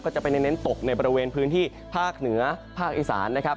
จะไปเน้นตกในบริเวณพื้นที่ภาคเหนือภาคอีสานนะครับ